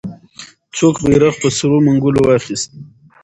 څوک بیرغ په سرو منګولو واخیست؟